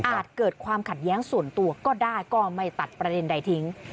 เกิดความขัดแย้งส่วนตัวก็ได้ก็ไม่ตัดประเด็นใดทิ้ง